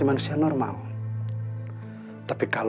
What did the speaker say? apapun yang kita lakukan